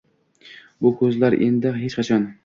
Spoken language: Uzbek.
bu ko’zlar endi hech qachon